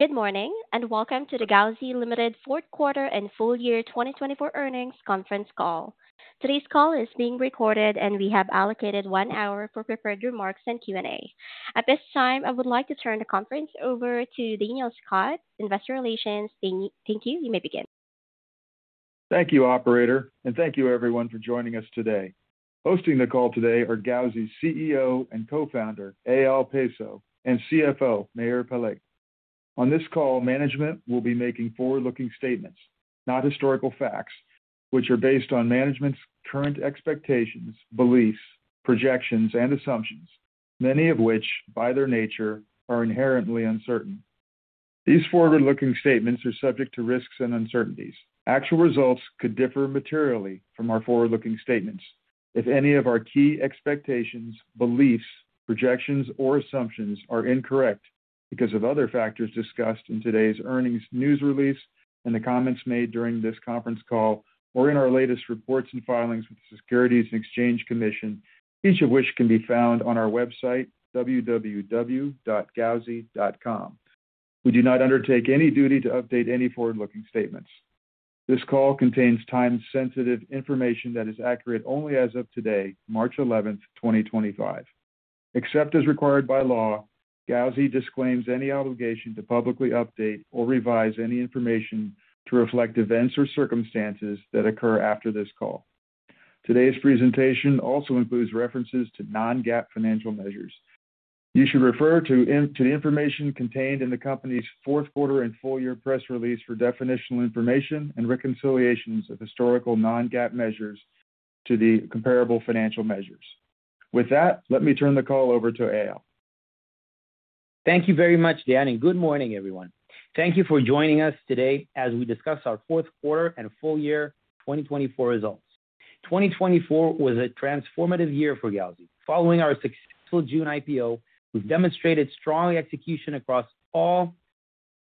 Good morning, and welcome to the Gauzy Ltd. Fourth Quarter and Full Year 2024 Earnings Conference Call. Today's call is being recorded, and we have allocated one hour for prepared remarks and Q&A. At this time, I would like to turn the conference over to Daniel Scott, Investor Relations. Thank you. You may begin. Thank you, Operator, and thank you, everyone, for joining us today. Hosting the call today are Gauzy's CEO and Co-Founder, Eyal Peso, and CFO, Meir Peleg. On this call, management will be making forward-looking statements, not historical facts, which are based on management's current expectations, beliefs, projections, and assumptions, many of which, by their nature, are inherently uncertain. These forward-looking statements are subject to risks and uncertainties. Actual results could differ materially from our forward-looking statements if any of our key expectations, beliefs, projections, or assumptions are incorrect because of other factors discussed in today's earnings news release and the comments made during this conference call, or in our latest reports and filings with the Securities and Exchange Commission, each of which can be found on our website, www.gauzy.com. We do not undertake any duty to update any forward-looking statements. This call contains time-sensitive information that is accurate only as of today, March 11, 2025. Except as required by law, Gauzy disclaims any obligation to publicly update or revise any information to reflect events or circumstances that occur after this call. Today's presentation also includes references to non-GAAP financial measures. You should refer to the information contained in the company's Fourth Quarter and Full Year Press Release for definitional information and reconciliations of historical non-GAAP measures to the comparable financial measures. With that, let me turn the call over to Eyal. Thank you very much, Daniel. Good morning, everyone. Thank you for joining us today as we discuss our fourth quarter and full year 2024 results. 2024 was a transformative year for Gauzy. Following our successful June IPO, we've demonstrated strong execution across all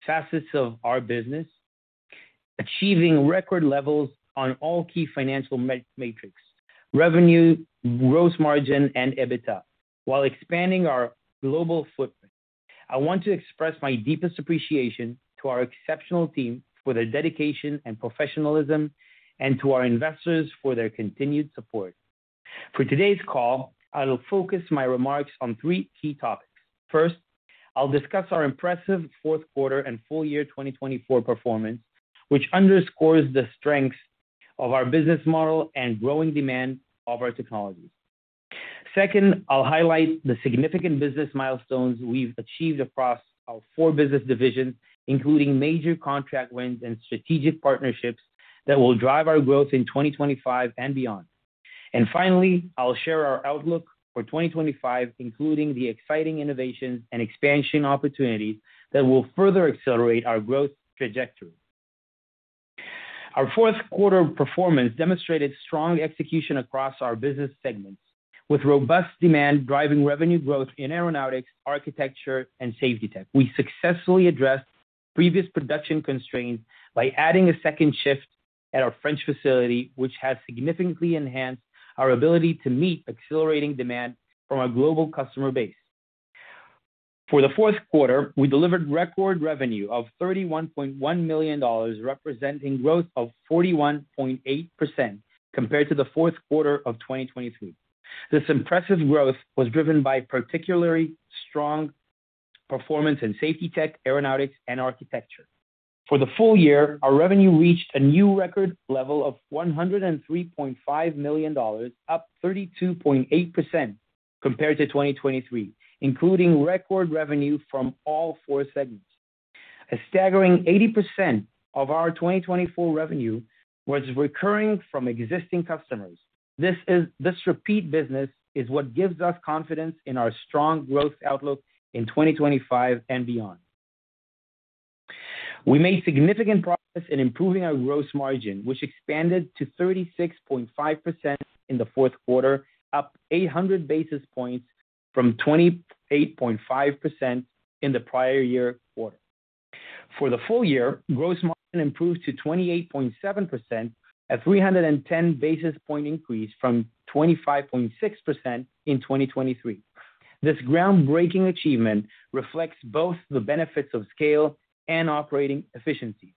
facets of our business, achieving record levels on all key financial metrics: revenue, gross margin, and EBITDA, while expanding our global footprint. I want to express my deepest appreciation to our exceptional team for their dedication and professionalism, and to our investors for their continued support. For today's call, I'll focus my remarks on three key topics. First, I'll discuss our impressive fourth quarter and full year 2024 performance, which underscores the strengths of our business model and growing demand of our technologies. Second, I'll highlight the significant business milestones we've achieved across our four business divisions, including major contract wins and strategic partnerships that will drive our growth in 2025 and beyond. Finally, I'll share our outlook for 2025, including the exciting innovations and expansion opportunities that will further accelerate our growth trajectory. Our fourth quarter performance demonstrated strong execution across our business segments, with robust demand driving revenue growth in Aeronautics, Architecture, and Safety Tech. We successfully addressed previous production constraints by adding a second shift at our French facility, which has significantly enhanced our ability to meet accelerating demand from our global customer base. For the fourth quarter, we delivered record revenue of $31.1 million, representing growth of 41.8% compared to the fourth quarter of 2023. This impressive growth was driven by particularly strong performance Safety Tech, Aeronautics, and Architecture. For the full year, our revenue reached a new record level of $103.5 million, up 32.8% compared to 2023, including record revenue from all four segments. A staggering 80% of our 2024 revenue was recurring from existing customers. This repeat business is what gives us confidence in our strong growth outlook in 2025 and beyond. We made significant progress in improving our gross margin, which expanded to 36.5% in the fourth quarter, up 800 basis points from 28.5% in the prior year quarter. For the full year, gross margin improved to 28.7%, a 310 basis point increase from 25.6% in 2023. This groundbreaking achievement reflects both the benefits of scale and operating efficiencies.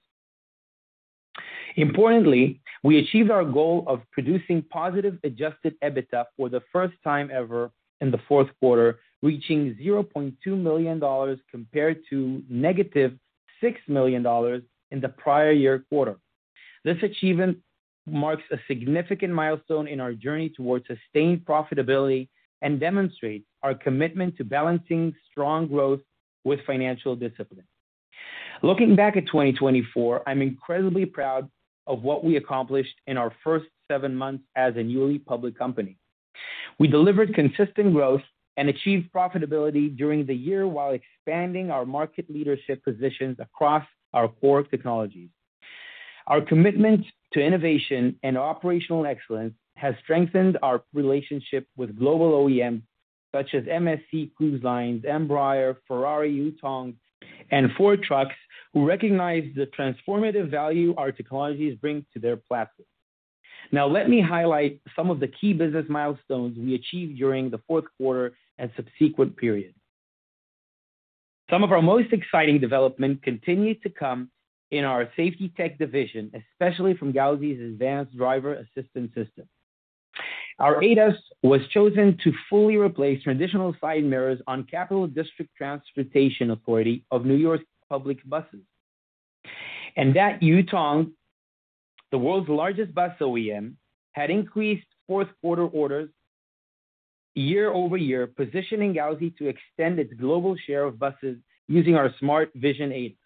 Importantly, we achieved our goal of producing positive adjusted EBITDA for the first time ever in the fourth quarter, reaching $0.2 million compared to -$6 million in the prior year quarter. This achievement marks a significant milestone in our journey towards sustained profitability and demonstrates our commitment to balancing strong growth with financial discipline. Looking back at 2024, I'm incredibly proud of what we accomplished in our first seven months as a newly public company. We delivered consistent growth and achieved profitability during the year while expanding our market leadership positions across our core technologies. Our commitment to innovation and operational excellence has strengthened our relationship with global OEMs such as MSC Cruise Lines, Embraer, Ferrari, Yutong, and Ford Trucks, who recognize the transformative value our technologies bring to their platform. Now, let me highlight some of the key business milestones we achieved during the fourth quarter and subsequent period. Some of our most exciting developments continue to come in our Safety Tech division, especially from Gauzy's advanced driver assistance system. Our ADAS was chosen to fully replace traditional side mirrors on Capital District Transportation Authority of New York's public buses. That Yutong, the world's largest bus OEM, had increased fourth quarter orders year-over-year, positioning Gauzy to extend its global share of buses using our Smart-Vision ADAS.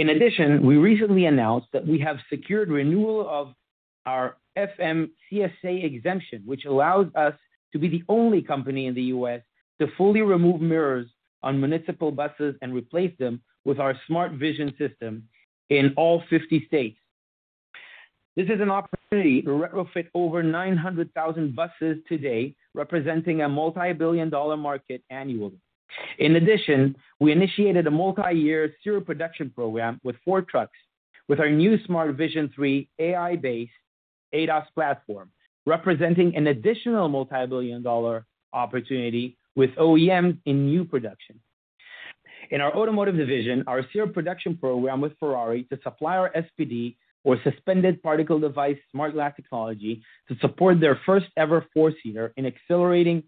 In addition, we recently announced that we have secured renewal of our FMCSA exemption, which allows us to be the only company in the U.S. to fully remove mirrors on municipal buses and replace them with our Smart-Vision system in all 50 states. This is an opportunity to retrofit over 900,000 buses today, representing a multi-billion dollar market annually. In addition, we initiated a multi-year serial production program with Ford Trucks with our new Smart-Vision 3 AI-based ADAS platform, representing an additional multi-billion dollar opportunity with OEMs in new production. In our Automotive division, our serial production program with Ferrari to supply our SPD, or suspended particle device smart glass technology, to support their first-ever four-seater is accelerating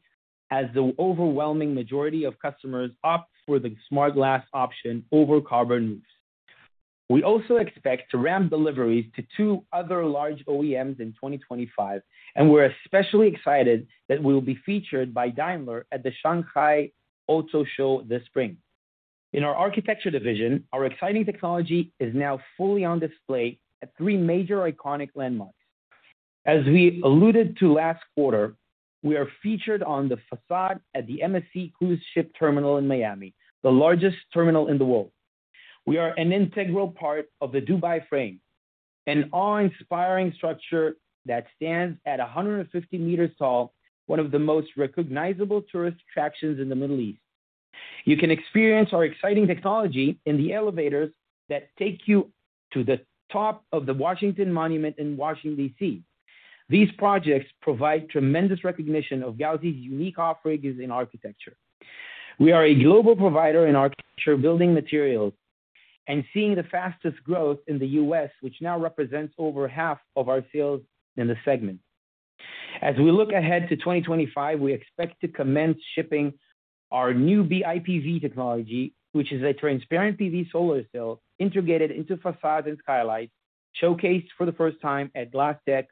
as the overwhelming majority of customers opt for the smart glass option over carbon roofs. We also expect to ramp deliveries to two other large OEMs in 2025, and we're especially excited that we will be featured by Daimler at the Shanghai Auto Show this spring. In our Architecture division, our exciting technology is now fully on display at three major iconic landmarks. As we alluded to last quarter, we are featured on the façade at the MSC Cruise Ship Terminal in Miami, the largest terminal in the world. We are an integral part of the Dubai Frame, an awe-inspiring structure that stands at 150 meters tall, one of the most recognizable tourist attractions in the Middle East. You can experience our exciting technology in the elevators that take you to the top of the Washington Monument in Washington, D.C. These projects provide tremendous recognition of Gauzy's unique offerings in Architecture. We are a global provider in Architecture, building materials, and seeing the fastest growth in the U.S., which now represents over half of our sales in the segment. As we look ahead to 2025, we expect to commence shipping our new BIPV technology, which is a transparent PV solar cell integrated into façades and skylights, showcased for the first time at Glasstec 2024.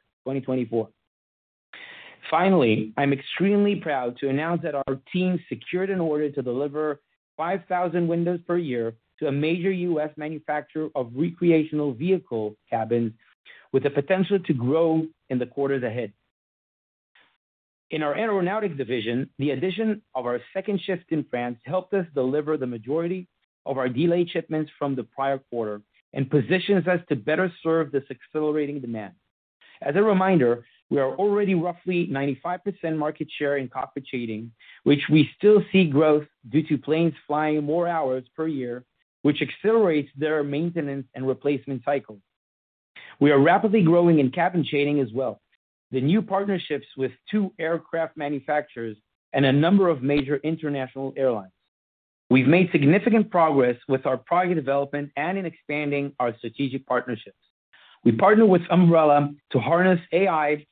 Finally, I'm extremely proud to announce that our team secured an order to deliver 5,000 windows per year to a major U.S. manufacturer of recreational vehicle cabins, with the potential to grow in the quarters ahead. In our Aeronautics division, the addition of our second shift in France helped us deliver the majority of our delayed shipments from the prior quarter and positions us to better serve this accelerating demand. As a reminder, we are already roughly 95% market share in cockpit shading, which we still see growth due to planes flying more hours per year, which accelerates their maintenance and replacement cycles. We are rapidly growing in cabin shading as well, with new partnerships with two aircraft manufacturers and a number of major international airlines. We've made significant progress with our project development and in expanding our strategic partnerships. We partner with Ambarella to harness AI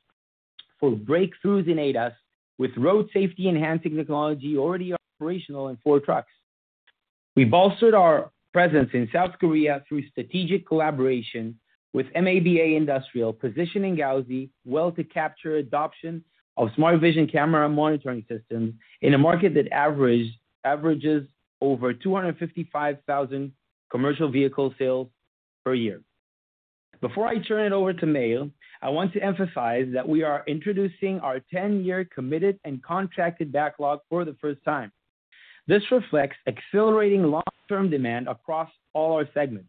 for breakthroughs in ADAS, with road safety-enhancing technology already operational in Ford Trucks. We bolstered our presence in South Korea through strategic collaboration with MABA Industrial, positioning Gauzy well to capture adoption of Smart-Vision camera monitoring systems in a market that averages over 255,000 commercial vehicle sales per year. Before I turn it over to Meir, I want to emphasize that we are introducing our 10-year committed and contracted backlog for the first time. This reflects accelerating long-term demand across all our segments.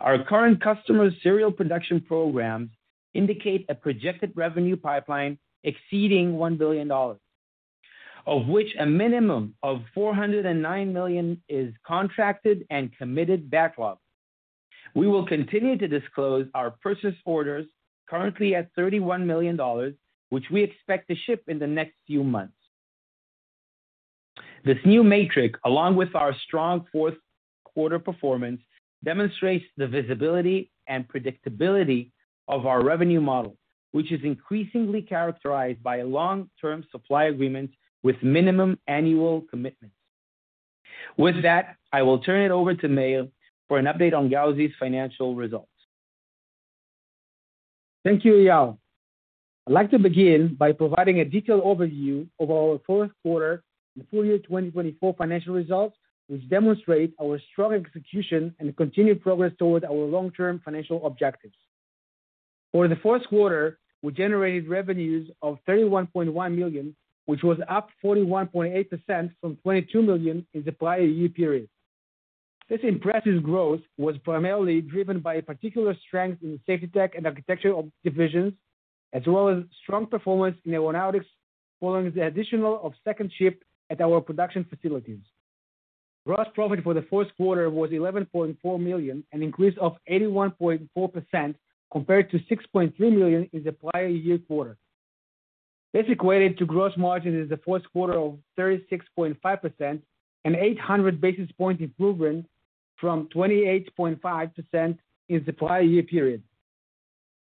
Our current customers' serial production programs indicate a projected revenue pipeline exceeding $1 billion, of which a minimum of $409 million is contracted and committed backlog. We will continue to disclose our purchase orders currently at $31 million, which we expect to ship in the next few months. This new matrix, along with our strong fourth quarter performance, demonstrates the visibility and predictability of our revenue model, which is increasingly characterized by long-term supply agreements with minimum annual commitments. With that, I will turn it over to Meir for an update on Gauzy's financial results. Thank you, Eyal. I'd like to begin by providing a detailed overview of our fourth quarter and full year 2024 financial results, which demonstrate our strong execution and continued progress toward our long-term financial objectives. For the fourth quarter, we generated revenues of $31.1 million, which was up 41.8% from $22 million in the prior year period. This impressive growth was primarily driven by particular strength in the Safety Tech and Architecture divisions, as well as strong performance in Aeronautics following the addition of a second shift at our production facilities. Gross profit for the fourth quarter was $11.4 million, an increase of 81.4% compared to $6.3 million in the prior year quarter. This equated to gross margins in the fourth quarter of 36.5% and an 800 basis point improvement from 28.5% in the prior year period.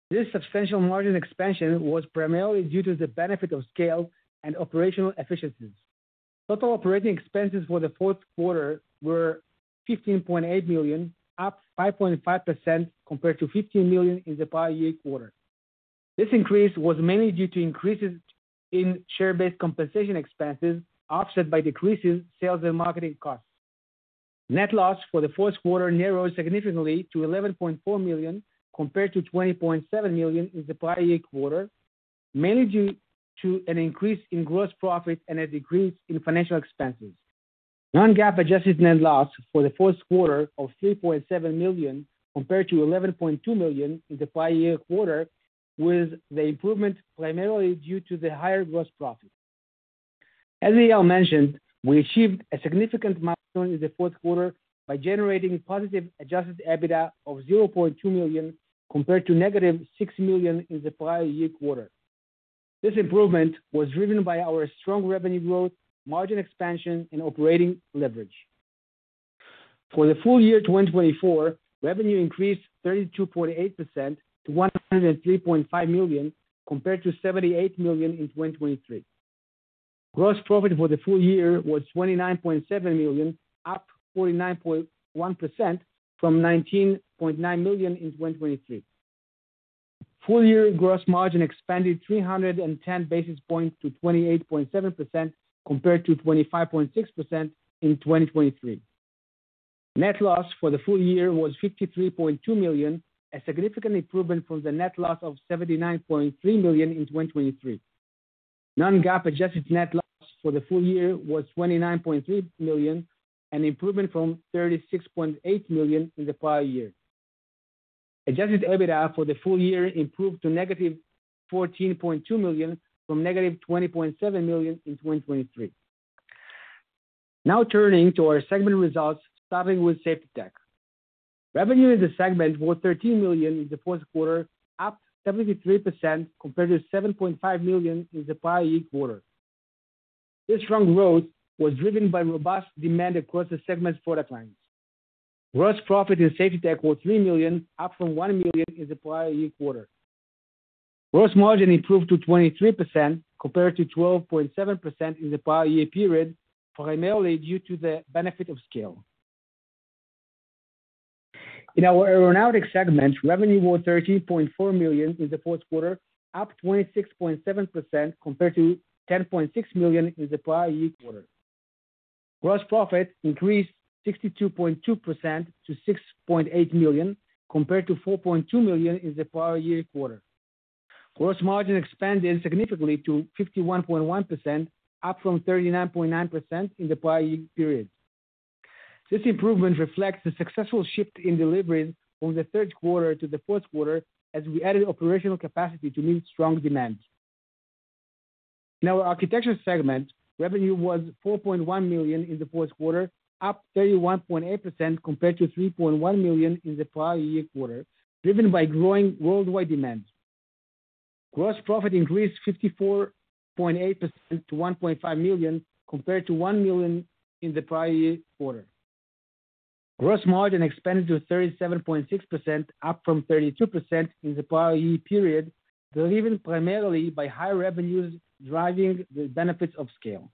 This substantial margin expansion was primarily due to the benefit of scale and operational efficiencies. Total operating expenses for the fourth quarter were $15.8 million, up 5.5% compared to $15 million in the prior year quarter. This increase was mainly due to increases in share-based compensation expenses offset by decreases in sales and marketing costs. Net loss for the fourth quarter narrowed significantly to $11.4 million compared to $20.7 million in the prior year quarter, mainly due to an increase in gross profit and a decrease in financial expenses. Non-GAAP adjusted net loss for the fourth quarter of $3.7 million compared to $11.2 million in the prior year quarter, with the improvement primarily due to the higher gross profit. As Eyal mentioned, we achieved a significant milestone in the fourth quarter by generating positive adjusted EBITDA of $0.2 million compared to -$6 million in the prior year quarter. This improvement was driven by our strong revenue growth, margin expansion, and operating leverage. For the full year 2024, revenue increased 32.8% to $103.5 million compared to $78 million in 2023. Gross profit for the full year was $29.7 million, up 49.1% from $19.9 million in 2023. Full year gross margin expanded 310 basis points to 28.7% compared to 25.6% in 2023. Net loss for the full year was $53.2 million, a significant improvement from the net loss of $79.3 million in 2023. Non-GAAP adjusted net loss for the full year was $29.3 million, an improvement from $36.8 million in the prior year. Adjusted EBITDA for the full year improved to -$14.2 million from -$20.7 million in 2023. Now turning to our segment results, starting with Safety Tech. Revenue in the segment was $13 million in the fourth quarter, up 73% compared to $7.5 million in the prior year quarter. This strong growth was driven by robust demand across the segments for our clients. Gross profit in Safety Tech was $3 million, up from $1 million in the prior year quarter. Gross margin improved to 23% compared to 12.7% in the prior year period, primarily due to the benefit of scale. In our Aeronautics segment, revenue was $13.4 million in the fourth quarter, up 26.7% compared to $10.6 million in the prior year quarter. Gross profit increased 62.2% to $6.8 million compared to $4.2 million in the prior year quarter. Gross margin expanded significantly to 51.1%, up from 39.9% in the prior year period. This improvement reflects the successful shift in deliveries from the third quarter to the fourth quarter as we added operational capacity to meet strong demand. In our Architecture segment, revenue was $4.1 million in the fourth quarter, up 31.8% compared to $3.1 million in the prior year quarter, driven by growing worldwide demand. Gross profit increased 54.8% to $1.5 million compared to $1 million in the prior year quarter. Gross margin expanded to 37.6%, up from 32% in the prior year period, driven primarily by high revenues driving the benefits of scale.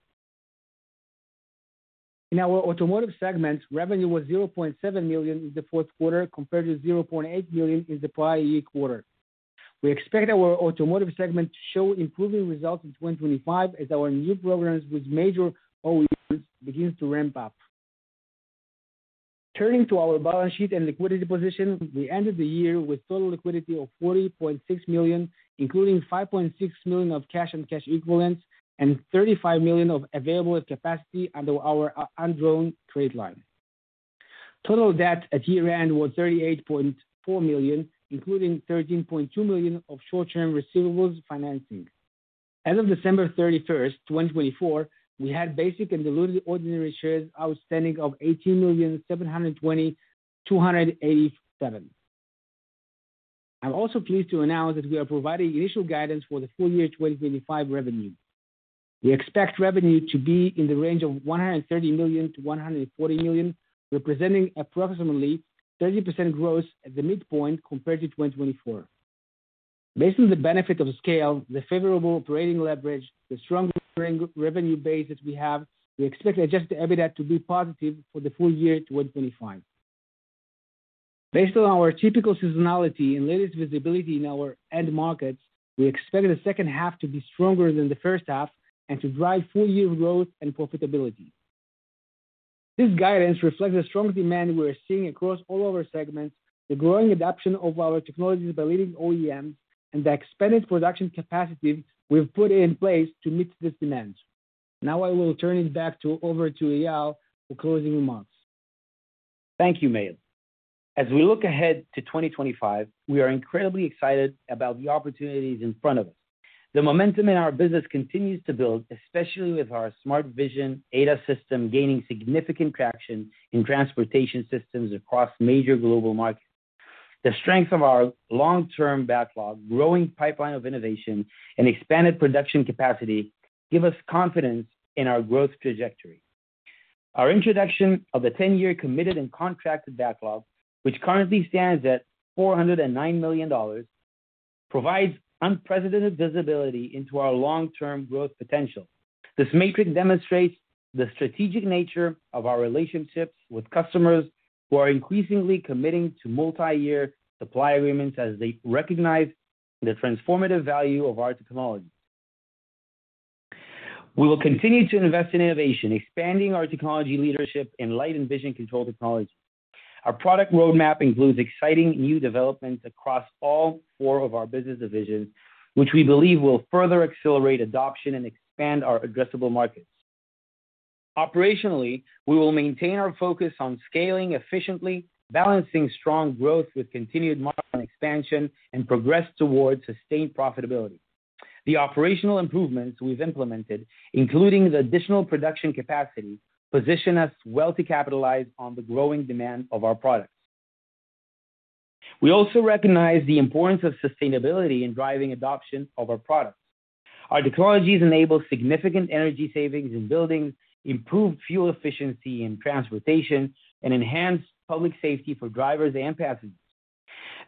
In our Automotive segment, revenue was $0.7 million in the fourth quarter compared to $0.8 million in the prior year quarter. We expect our Automotive segment to show improving results in 2025 as our new programs with major OEMs begin to ramp up. Turning to our balance sheet and liquidity position, we ended the year with total liquidity of $40.6 million, including $5.6 million of cash and cash equivalents and $35 million of available capacity under our undrawn trade line. Total debt at year-end was $38.4 million, including $13.2 million of short-term receivables financing. As of December 31st, 2024, we had basic and diluted ordinary shares outstanding of 18,720,287. I'm also pleased to announce that we are providing initial guidance for the full year 2025 revenue. We expect revenue to be in the range of $130 million-$140 million, representing approximately 30% growth at the midpoint compared to 2024. Based on the benefit of scale, the favorable operating leverage, and the strong revenue base that we have, we expect adjusted EBITDA to be positive for the full year 2025. Based on our typical seasonality and latest visibility in our end markets, we expect the second half to be stronger than the first half and to drive full-year growth and profitability. This guidance reflects the strong demand we are seeing across all our segments, the growing adoption of our technologies by leading OEMs, and the expanded production capacity we have put in place to meet this demand. Now I will turn it back over to Eyal for closing remarks. Thank you, Meir. As we look ahead to 2025, we are incredibly excited about the opportunities in front of us. The momentum in our business continues to build, especially with our Smart-Vision ADAS system gaining significant traction in transportation systems across major global markets. The strength of our long-term backlog, growing pipeline of innovation, and expanded production capacity give us confidence in our growth trajectory. Our introduction of the 10-year committed and contracted backlog, which currently stands at $409 million, provides unprecedented visibility into our long-term growth potential. This matrix demonstrates the strategic nature of our relationships with customers who are increasingly committing to multi-year supply agreements as they recognize the transformative value of our technology. We will continue to invest in innovation, expanding our technology leadership in light and vision control technology. Our product roadmap includes exciting new developments across all four of our business divisions, which we believe will further accelerate adoption and expand our addressable markets. Operationally, we will maintain our focus on scaling efficiently, balancing strong growth with continued margin expansion, and progress toward sustained profitability. The operational improvements we've implemented, including the additional production capacity, position us well to capitalize on the growing demand of our products. We also recognize the importance of sustainability in driving adoption of our products. Our technologies enable significant energy savings in buildings, improve fuel efficiency in transportation, and enhance public safety for drivers and passengers.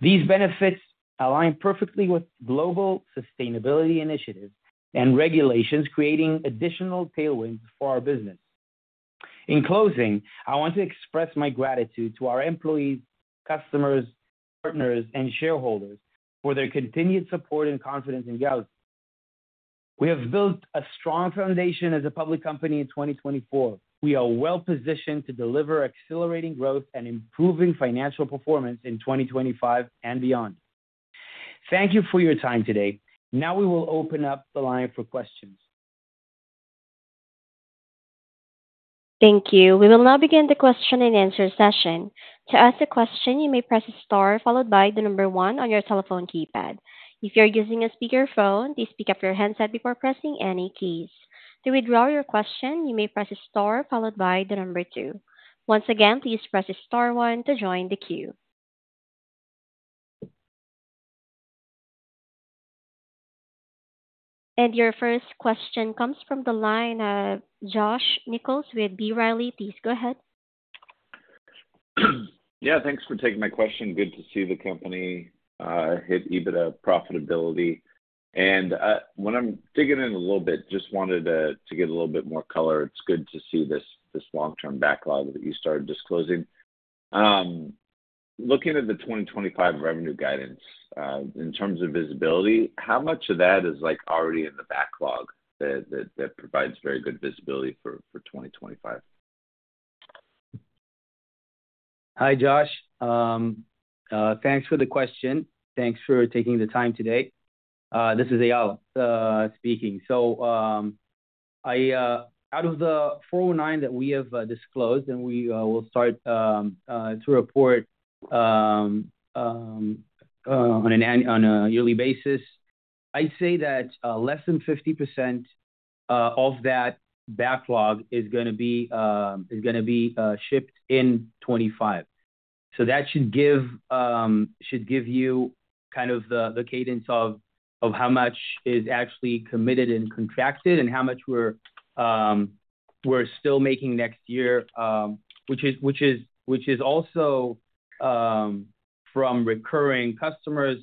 These benefits align perfectly with global sustainability initiatives and regulations, creating additional tailwinds for our business. In closing, I want to express my gratitude to our employees, customers, partners, and shareholders for their continued support and confidence in Gauzy. We have built a strong foundation as a public company in 2024. We are well positioned to deliver accelerating growth and improving financial performance in 2025 and beyond. Thank you for your time today. Now we will open up the line for questions. Thank you. We will now begin the question and answer session. To ask a question, you may press a star followed by the number one on your telephone keypad. If you're using a speakerphone, please pick up your headset before pressing any keys. To withdraw your question, you may press star followed by the number two. Once again, please press star one to join the queue. Your first question comes from the line of Josh Nichols with B. Riley. Please go ahead. Yeah, thanks for taking my question. Good to see the company hit EBITDA profitability. When I'm digging in a little bit, just wanted to get a little bit more color. It's good to see this long-term backlog that you started disclosing. Looking at the 2025 revenue guidance in terms of visibility, how much of that is already in the backlog that provides very good visibility for 2025? Hi, Josh. Thanks for the question. Thanks for taking the time today. This is Eyal speaking. Out of the $409 that we have disclosed, and we will start to report on a yearly basis, I'd say that less than 50% of that backlog is going to be shipped in 2025. That should give you kind of the cadence of how much is actually committed and contracted and how much we're still making next year, which is also from recurring customers,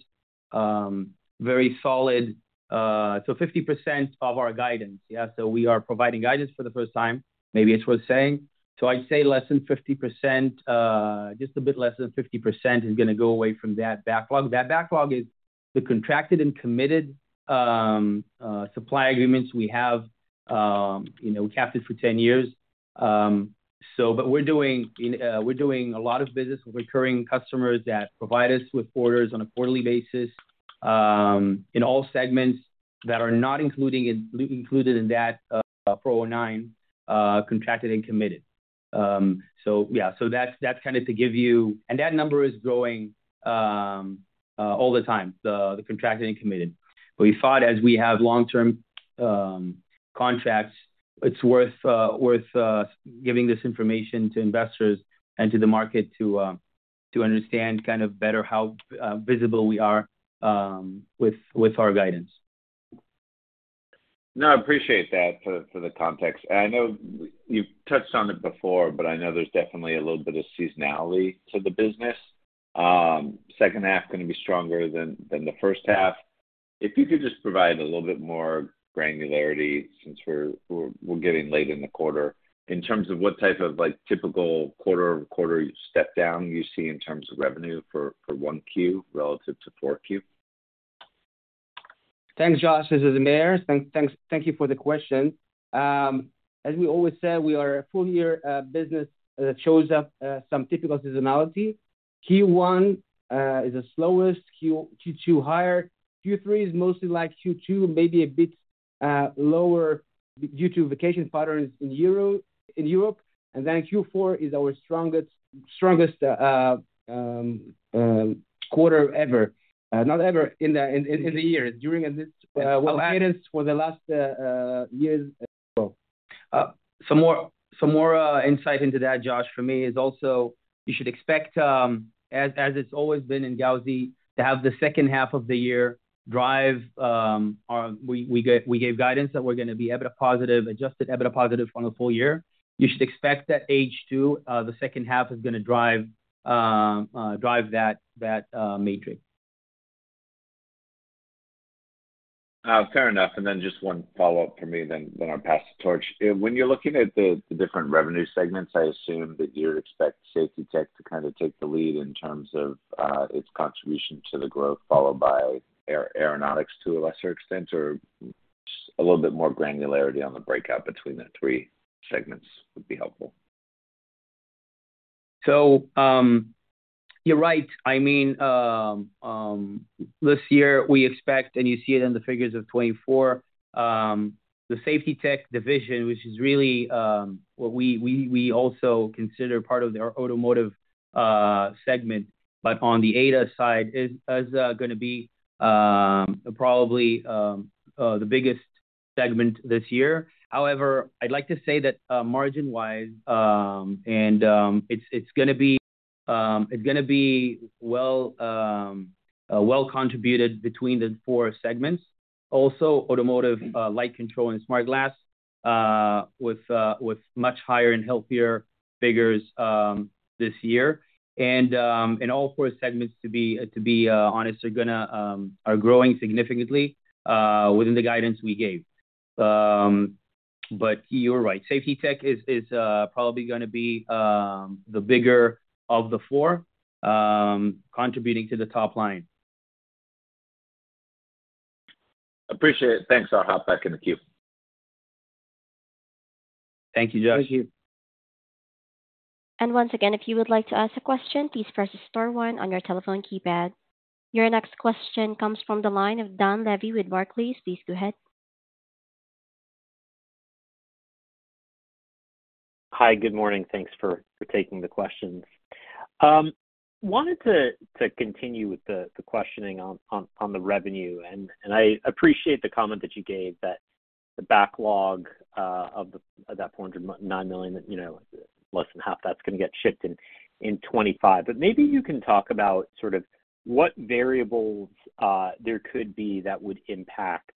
very solid. 50% of our guidance, yeah. We are providing guidance for the first time, maybe it's worth saying. I'd say less than 50%, just a bit less than 50% is going to go away from that backlog. That backlog is the contracted and committed supply agreements we have captive for 10 years. We're doing a lot of business with recurring customers that provide us with orders on a quarterly basis in all segments that are not included in that $409 contracted and committed. Yeah, that's kind of to give you, and that number is growing all the time, the contracted and committed. We thought as we have long-term contracts, it's worth giving this information to investors and to the market to understand kind of better how visible we are with our guidance. I appreciate that for the context. I know you've touched on it before, but I know there's definitely a little bit of seasonality to the business. Second half is going to be stronger than the first half. If you could just provide a little bit more granularity since we're getting late in the quarter in terms of what type of typical quarter-over-quarter step down you see in terms of revenue for 1Q relative to 4Q. Thanks, Josh. This is Meir. Thank you for the question. As we always say, we are a full-year business that shows up some typical seasonality. Q1 is the slowest, Q2 higher. Q3 is mostly like Q2, maybe a bit lower due to vacation patterns in Europe. Q4 is our strongest quarter ever, not ever in the year. During this cadence for the last years. More insight into that, Josh, for me is also you should expect, as it's always been in Gauzy, to have the second half of the year drive our we gave guidance that we're going to be EBITDA positive, adjusted EBITDA positive for the full year. You should expect that H2, the second half, is going to drive that matrix. Fair enough. Then just one follow-up for me, then I'll pass the torch. When you're looking at the different revenue segments, I assume that you'd expect Safety Tech to kind of take the lead in terms of its contribution to the growth, followed by Aeronautics to a lesser extent, or a little bit more granularity on the breakout between the three segments would be helpful. You're right. I mean, this year, we expect, and you see it in the figures of 2024, the Safety Tech division, which is really what we also consider part of our Automotive segment, but on the ADAS side, is going to be probably the biggest segment this year. However, I'd like to say that margin-wise, it's going to be well contributed between the four segments. Also, Automotive light control and smart glass with much higher and healthier figures this year. All four segments, to be honest, are growing significantly within the guidance we gave. You're right. Safety Tech is probably going to be the bigger of the four, contributing to the top line. Appreciate it. Thanks. I'll hop back in the queue. Thank you, Josh. Thank you. Once again, if you would like to ask a question, please press a star one on your telephone keypad. Your next question comes from the line of Dan Levy with Barclays. Please go ahead. Hi, good morning. Thanks for taking the questions. Wanted to continue with the questioning on the revenue. And I appreciate the comment that you gave that the backlog of that $409 million, less than half, that's going to get shipped in 2025. Maybe you can talk about sort of what variables there could be that would impact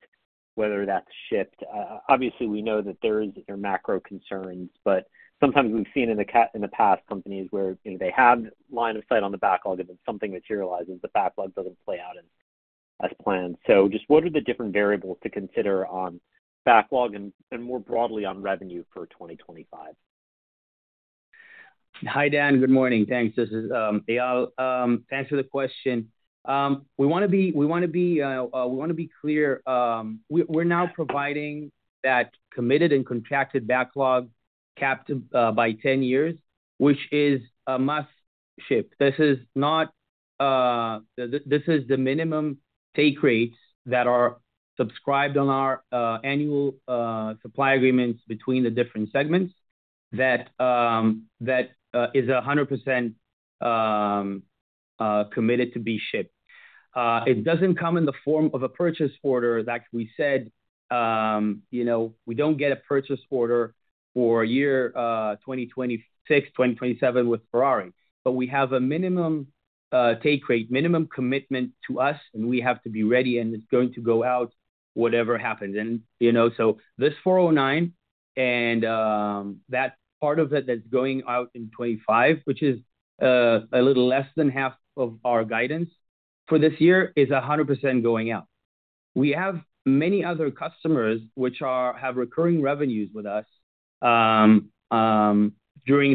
whether that's shipped. Obviously, we know that there are macro concerns, but sometimes we've seen in the past companies where they have line of sight on the backlog, and then something materializes, the backlog doesn't play out as planned. Just what are the different variables to consider on backlog and more broadly on revenue for 2025? Hi Dan, good morning. Thanks. This is Eyal. Thanks for the question. We want to be clear. We're now providing that committed and contracted backlog capped by 10 years, which is a must ship. This is the minimum take rates that are subscribed on our annual supply agreements between the different segments that is 100% committed to be shipped. It doesn't come in the form of a purchase order. Like we said, we don't get a purchase order for year 2026, 2027 with Ferrari. But we have a minimum take rate, minimum commitment to us, and we have to be ready, and it's going to go out whatever happens. This $409 and that part of it that's going out in 2025, which is a little less than half of our guidance for this year, is 100% going out. We have many other customers which have recurring revenues with us during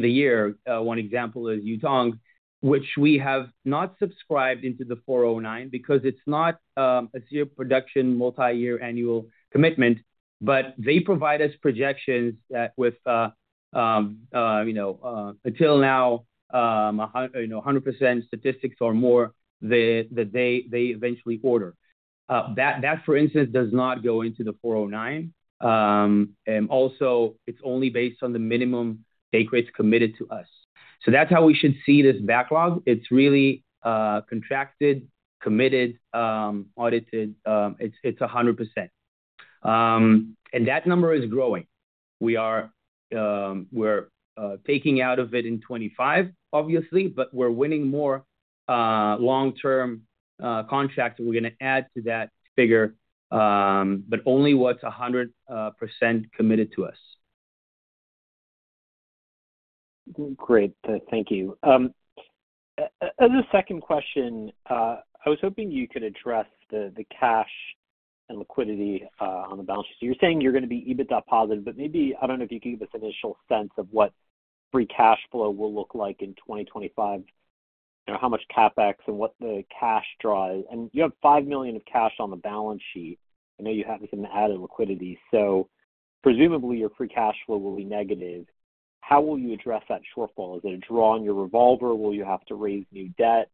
the year. One example is Yutong, which we have not subscribed into the $409 because it's not a serial production multi-year annual commitment, but they provide us projections that with until now, 100% statistics or more that they eventually order. That, for instance, does not go into the $409. It is only based on the minimum take rates committed to us. That is how we should see this backlog. It is really contracted, committed, audited. It is 100%. That number is growing. We are taking out of it in 2025, obviously, but we are winning more long-term contracts. We are going to add to that figure, but only what is 100% committed to us. Great. Thank you. As a second question, I was hoping you could address the cash and liquidity on the balance sheet. You're saying you're going to be EBITDA positive, but maybe I don't know if you can give us an initial sense of what free cash flow will look like in 2025, how much CapEx and what the cash draw is. You have $5 million of cash on the balance sheet. I know you have some added liquidity. Presumably, your free cash flow will be negative. How will you address that shortfall? Is it a draw on your revolver? Will you have to raise new debt?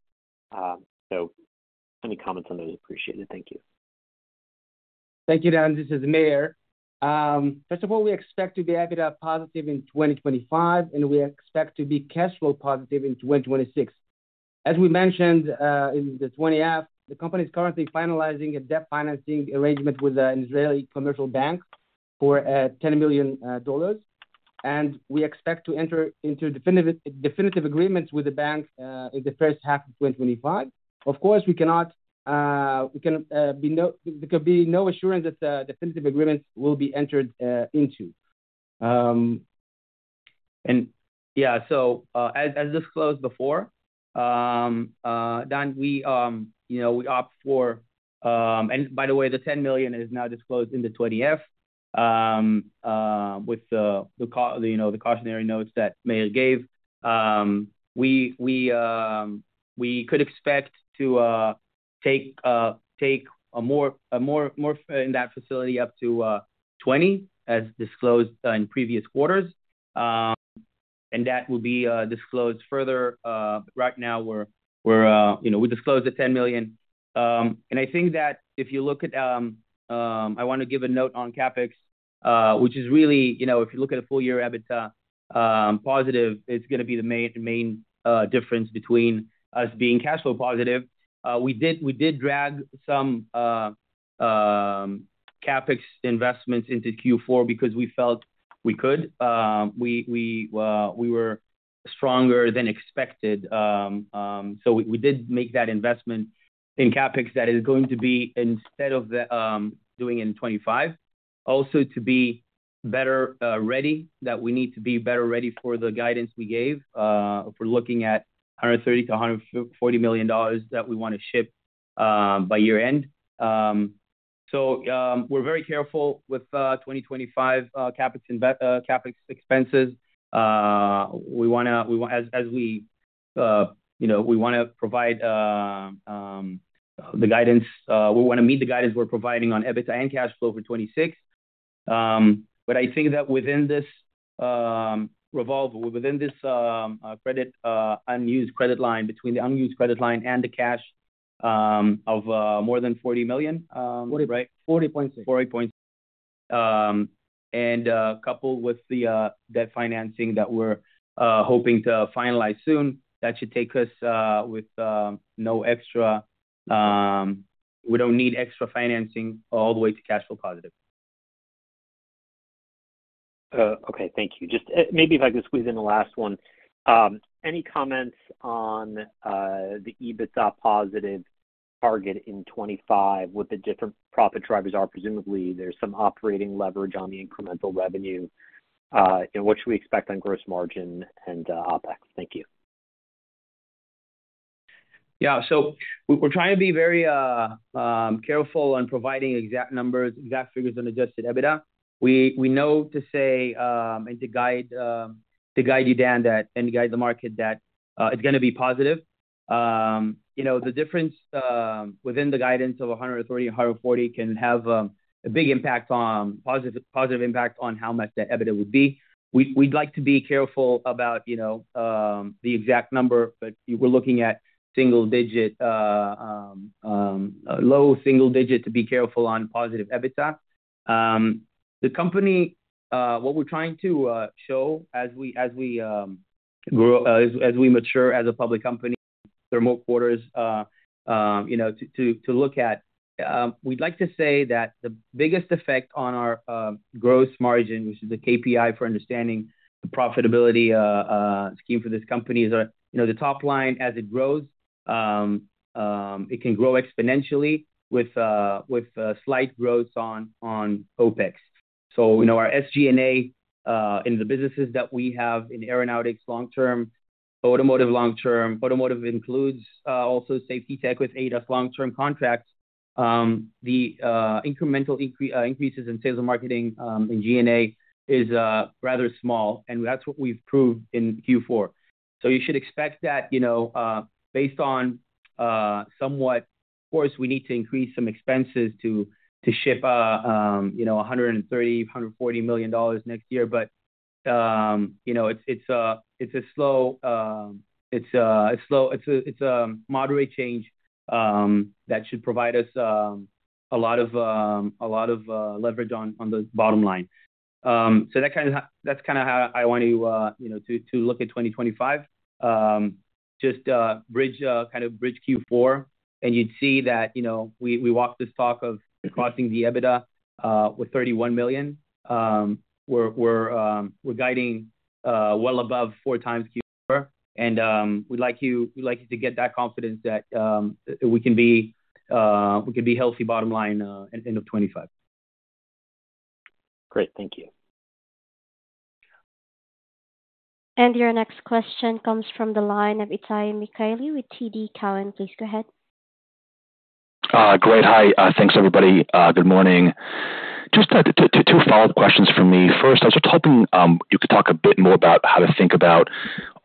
Any comments on those? Appreciate it. Thank you. Thank you, Dan. This is Meir. First of all, we expect to be EBITDA positive in 2025, and we expect to be cash flow positive in 2026. As we mentioned in the 20-F, the company is currently finalizing a debt financing arrangement with an Israeli commercial bank for $10 million. We expect to enter into definitive agreements with the bank in the first half of 2025. Of course, there could be no assurance that definitive agreements will be entered into. As disclosed before, Dan, we opt for, and by the way, the $10 million is now disclosed in the 20-F with the cautionary notes that Meir gave. We could expect to take more in that facility up to $20 million, as disclosed in previous quarters. That will be disclosed further. Right now, we disclosed the $10 million. I think that if you look at, I want to give a note on CapEx, which is really, if you look at a full-year EBITDA positive, it is going to be the main difference between us being cash flow positive. We did drag some CapEx investments into Q4 because we felt we could. We were stronger than expected. We did make that investment in CapEx that is going to be instead of doing in 2025, also to be better ready, that we need to be better ready for the guidance we gave for looking at $130 million-$140 million that we want to ship by year-end. We are very careful with 2025 CapEx expenses. We want to, as we want to provide the guidance. We want to meet the guidance we are providing on EBITDA and cash flow for 2026. I think that within this revolve, within this unused credit line between the unused credit line and the cash of more than $40 million, right? $40.6. $40.6. Coupled with the debt financing that we are hoping to finalize soon, that should take us with no extra, we do not need extra financing all the way to cash flow positive. Okay. Thank you. Just maybe if I could squeeze in the last one. Any comments on the EBITDA positive target in 2025? What the different profit drivers are? Presumably, there's some operating leverage on the incremental revenue. What should we expect on gross margin and OpEx? Thank you. Yeah. We are trying to be very careful on providing exact numbers, exact figures on adjusted EBITDA. We know to say and to guide you, Dan, and guide the market that it's going to be positive. The difference within the guidance of $130 million and $140 million can have a big impact on positive impact on how much that EBITDA would be. We would like to be careful about the exact number, but we are looking at single-digit, low single-digit to be careful on positive EBITDA. The company, what we are trying to show as we mature as a public company. Through more quarters to look at. We'd like to say that the biggest effect on our gross margin, which is the KPI for understanding the profitability scheme for this company, is the top line as it grows, it can grow exponentially with slight growth on OpEx. Our SG&A in the businesses that we have in Aeronautics long-term, Automotive long-term, Automotive includes also Safety Tech with ADAS long-term contracts. The incremental increases in sales and marketing in G&A is rather small, and that's what we've proved in Q4. You should expect that based on somewhat, of course, we need to increase some expenses to ship $130 million-$140 million next year. It's a slow, it's a moderate change that should provide us a lot of leverage on the bottom line. That's kind of how I want you to look at 2025. Just kind of bridge Q4, and you'd see that we walked this talk of crossing the EBITDA with $31 million. We're guiding well above four times Q4. We'd like you to get that confidence that we can be healthy bottom line at the end of 2025. Great. Thank you. Your next question comes from the line of Itay Michaeli with TD Cowen. Please go ahead. Great. Hi. Thanks, everybody. Good morning. Just two follow-up questions for me. First, I was just hoping you could talk a bit more about how to think about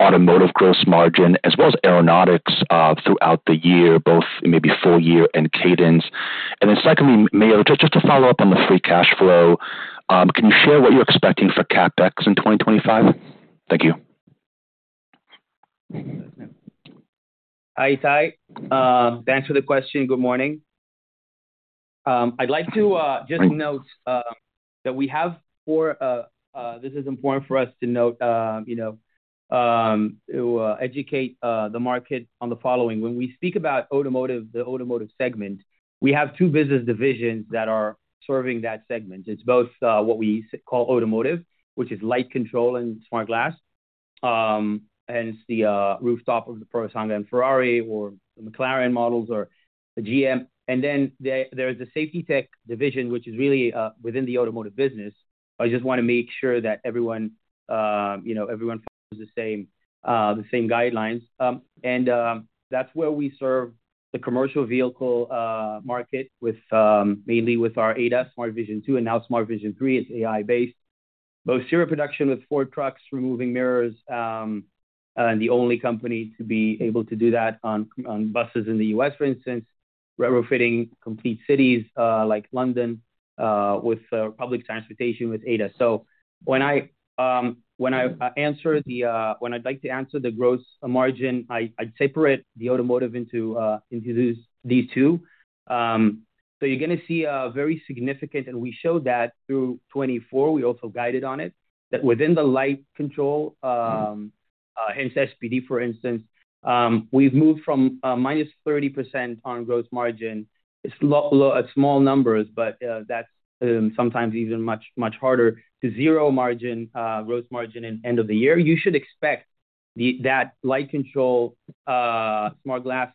Automotive gross margin as well as Aeronautics throughout the year, both maybe full year and cadence. Then secondly, Meir, just to follow up on the free cash flow, can you share what you're expecting for CapEx in 2025? Thank you. Hi, Itay. Thanks for the question. Good morning. I'd like to just note that we have four, this is important for us to note to educate the market on the following. When we speak about the Automotive segment, we have two business divisions that are serving that segment. It's both what we call Automotive, which is light control and smart glass, and it's the rooftop of the Purosangue Ferrari or McLaren models or the GM. There is the Safety Tech division, which is really within the Automotive business. I just want to make sure that everyone follows the same guidelines. That's where we serve the commercial vehicle market mainly with our ADAS Smart-Vision 2 and now Smart-Vision 3. It's AI-based. Both serial production with Ford Trucks, removing mirrors, and the only company to be able to do that on buses in the U.S., for instance, retrofitting complete cities like London with public transportation with ADAS. When I answer the when, I'd like to answer the gross margin, I'd separate the Automotive into these two. You're going to see a very significant, and we showed that through 2024. We also guided on it that within the light control, hence SPD, for instance, we've moved from -30% on gross margin. It's small numbers, but that's sometimes even much harder, to zero gross margin at the end of the year. You should expect that light control smart glass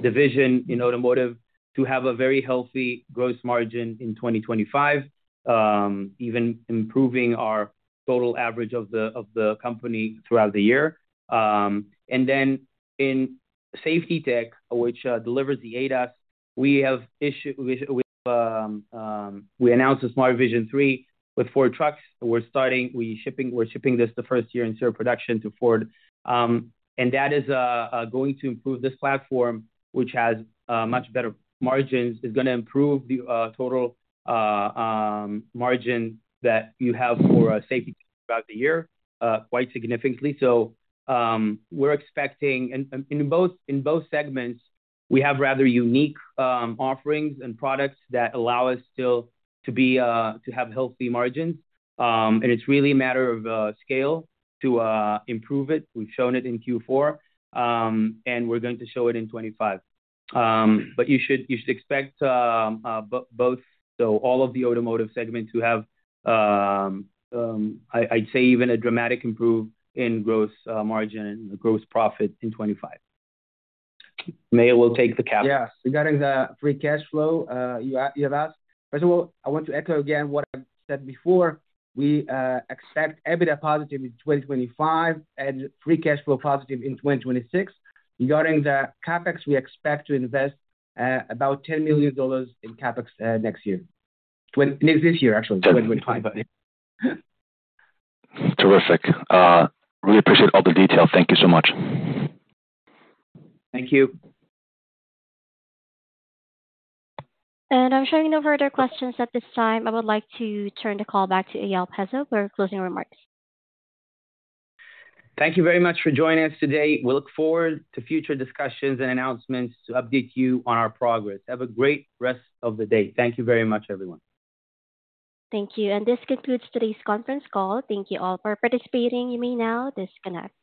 division in Automotive to have a very healthy gross margin in 2025, even improving our total average of the company throughout the year. In Safety Tech, which delivers the ADAS, we announced the Smart-Vision 3 with Ford Trucks. We're shipping this the first year in serial production to Ford. That is going to improve this platform, which has much better margins. It's going to improve the total margin that you have for Safety Tech throughout the year quite significantly. We are expecting in both segments, we have rather unique offerings and products that allow us still to have healthy margins. It's really a matter of scale to improve it. We've shown it in Q4, and we're going to show it in 2025. You should expect both, so all of the Automotive segment to have, I'd say, even a dramatic improve in gross margin and gross profit in 2025. Meir will take the cap. Yes. Regarding the free cash flow, you have asked. First of all, I want to echo again what I've said before. We expect EBITDA positive in 2025 and free cash flow positive in 2026. Regarding the CapEx, we expect to invest about $10 million in CapEx next year. Next year, actually, 2025. Terrific. Really appreciate all the detail. Thank you so much. Thank you. I am sure we have no further questions at this time. I would like to turn the call back to Eyal Peso for closing remarks. Thank you very much for joining us today. We look forward to future discussions and announcements to update you on our progress. Have a great rest of the day. Thank you very much, everyone. Thank you. This concludes today's conference call. Thank you all for participating. You may now disconnect.